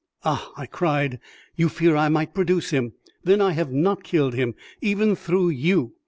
"Ah!" I cried; "you fear I might produce him. Then I have not killed him, even through you.